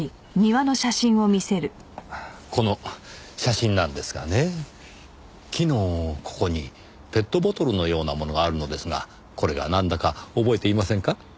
この写真なんですがね木のここにペットボトルのようなものがあるのですがこれがなんだか覚えていませんか？